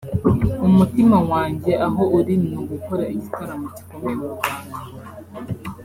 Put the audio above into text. umutima wanjye aho uri ni ugukora igitaramo gikomeye mu Rwanda